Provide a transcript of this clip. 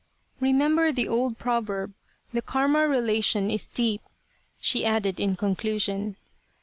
" Remember the old proverb, the karma relation is deep, she added in conclusion.